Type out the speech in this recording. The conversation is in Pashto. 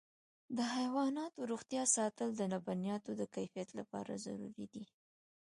د حیواناتو روغتیا ساتل د لبنیاتو د کیفیت لپاره ضروري دي.